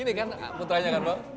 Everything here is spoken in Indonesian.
ini kan putranya kan bang